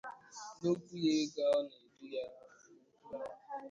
N'okwu ya oge ọ na-edu ya n'ọkwa ahụ